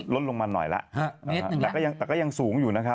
ลดลงมาหน่อยแล้วแต่ก็ยังสูงอยู่นะครับ